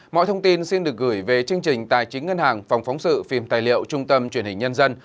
mọi thông tin xin được gửi về chương trình tài chính ngân hàng phòng phóng sự phim tài liệu trung tâm truyền hình nhân dân